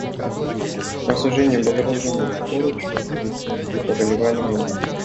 Рассуждения благоразумного поручика не поколебали меня.